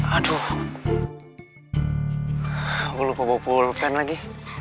aduh gue lupa bawa pulpen lagi